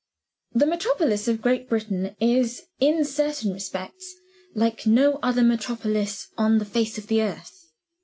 The metropolis of Great Britain is, in certain respects, like no other metropolis on the face of the earth.